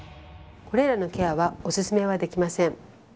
これらのケアはオススメはできません。